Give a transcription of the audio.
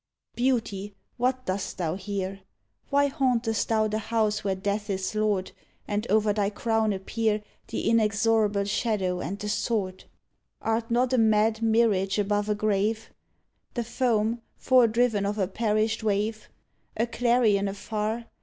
Beauty, what dost thou here? Why hauntest thou the House where Death is lord And o'er thy crown appear 74 AN AL'TJR OF "THE WES'T The inexorable shadow and the sword'? Art not a mad mirage above a grave"? The foam foredriven of a perished wave? A clarion afar?